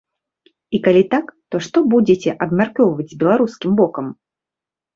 І калі так, то што будзеце абмяркоўваць з беларускім бокам?